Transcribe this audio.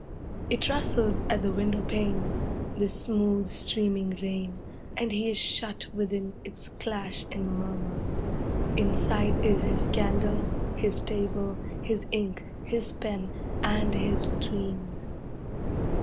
It rustles at the window pane, the smooth, streaming rain, and he is shut within its clash and murmur. Inside is his candle, his table, his ink, his pen, and his dreams.